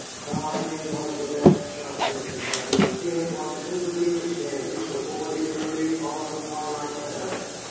Tom being one of the best shots in Kentucky, he had won two beaver skins before the early autumn twilight fell.